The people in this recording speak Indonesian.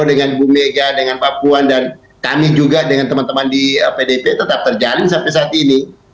dengan ibu mega dengan papuan dan kami juga dengan teman teman di pdip tetap terjalin sampai saat ini